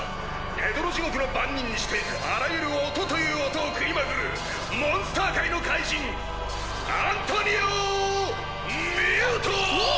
ヘドロ地獄の番人にしてあらゆる音という音を食いまくるモンスター界の怪人！アントニオミュートォォ！